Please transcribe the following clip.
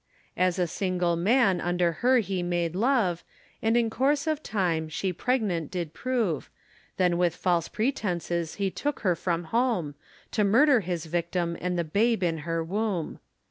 As a single man under her he made love, And in course of time she pregnant did prove, Then with false pretences he took her from home, To murder his victim and the babe in her womb.